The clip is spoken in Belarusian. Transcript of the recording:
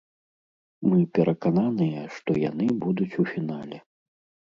Мы перакананыя, што яны будуць у фінале.